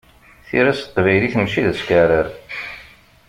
Tira s teqbaylit, mačči d askeɛrer.